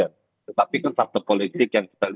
ya dalam konteks di parlemen hari ini faktanya memang begini